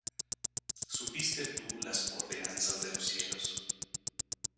¿Supiste tú las ordenanzas de los cielos?